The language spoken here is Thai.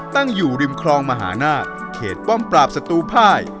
ตั้งอยู่ริมคลองมหานาคเขตป้อมปราบศัตรูภาย